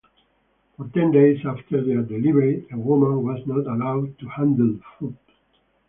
For ten days after her delivery, a woman was not allowed to handle food.